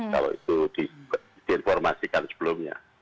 kalau itu diinformasikan sebelumnya